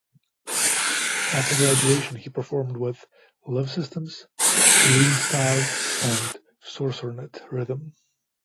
After graduation, he performed with Love Systems, Kaloum Star and Sorsornet Rhythm.